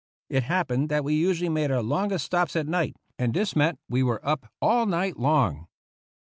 It happened that we usually made our longest stops at night, and this meant that we were up all night long.